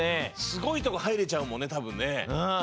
すごいとこはいれちゃうもんねたぶんね。